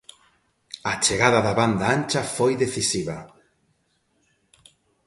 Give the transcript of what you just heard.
A chegada da banda ancha foi decisiva.